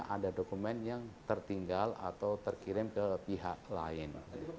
ada dokumen yang tertinggal atau terkirim ke pihak lain